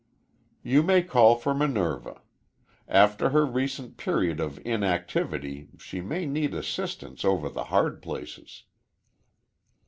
"You may call for Minerva. After her recent period of inactivity she may need assistance over the hard places."